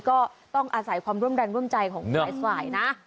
ก็ต้องอาศัยความร่วมรันร่วมใจของคนใหญ่นะ